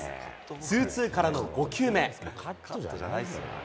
ツーツーからの５球目。